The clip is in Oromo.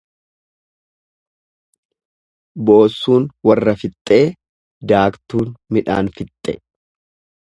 Boossuun warra fixxee daaktuun midhaan fixxe.